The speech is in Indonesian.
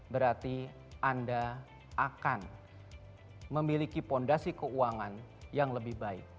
berarti anda akan memiliki fondasi keuangan yang lebih baik